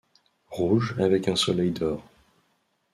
Rouge avec un soleil d'or.